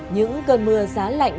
những cơn mưa giá lạnh